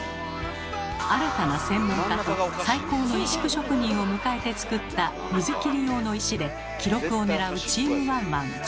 新たな専門家と最高の石工職人を迎えて作った水切り用の石で記録をねらうチームワンワン。